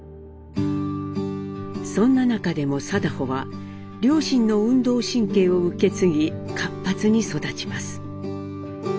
そんな中でも禎穗は両親の運動神経を受け継ぎ活発に育ちます。